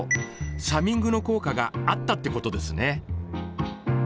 サミングの効果があったってことですね。